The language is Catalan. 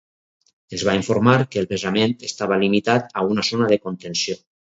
Es va informar que el vessament estava limitat a una zona de contenció.